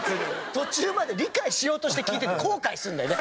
途中まで理解しようとして聞いて後悔するんだよね。